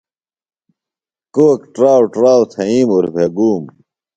کوک ٹراؤ ٹراؤ تھئیم اُربھےۡ گُوم۔